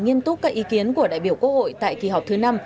nghiêm túc các ý kiến của đại biểu quốc hội tại kỳ họp thứ năm